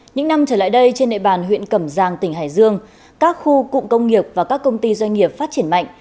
những năm trở lại đây trên nệ bàn huyện cẩm giang tỉnh hải dương các khu cụm công nghiệp và các công ty doanh nghiệp phát triển mạnh